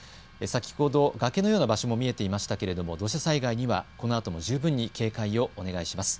先ほど崖のような場所も見えていましたけれども、土砂災害にはこのあとも十分に警戒をお願いします。